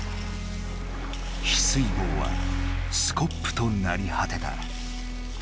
ヒスイ棒はスコップとなりはてた。